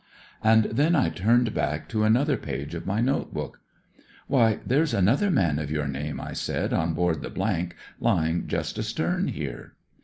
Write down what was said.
And then I turned back to another page of my note book. "Why, there's another man of your name," I said, " on board the , lying just astern here."